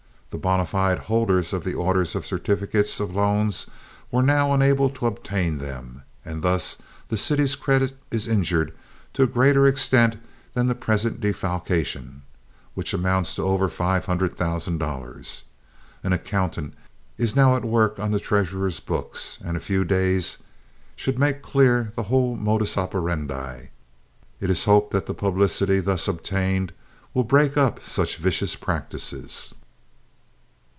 The bona fide holders of the orders for certificates of loans are now unable to obtain them, and thus the city's credit is injured to a greater extent than the present defalcation, which amounts to over five hundred thousand dollars. An accountant is now at work on the treasurer's books, and a few days should make clear the whole modus operandi. It is hoped that the publicity thus obtained will break up such vicious practices."